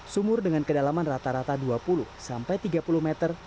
sumur dengan kedalaman rata rata dua puluh sampai tiga puluh meter